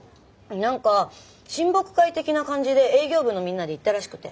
何か親睦会的な感じで営業部のみんなで行ったらしくて。